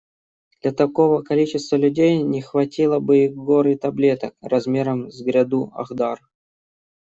Для такого количества людей не хватило бы и горы таблеток размером с гряду Ахдар.